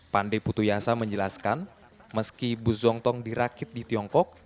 pandai putuyasa menjelaskan meski bus zongtong dirakit di tiongkok